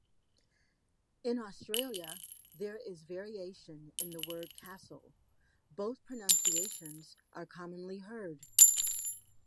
In Australia there is variation in the word "castle", both pronunciations are commonly heard.